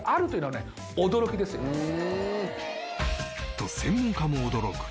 と専門家も驚く